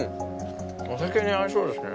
お酒に合いそうですね。